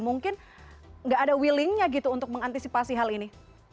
mungkin nggak ada willingnya gitu untuk mengantisipasi hal ini